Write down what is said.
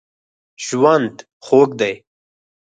ژوند خوږ دی.